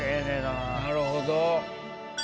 なるほど。